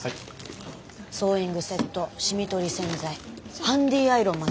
ソーイングセット染み取り洗剤ハンディーアイロンまで。